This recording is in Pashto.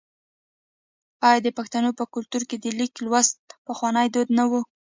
آیا د پښتنو په کلتور کې د لیک لوستل پخوانی دود نه و؟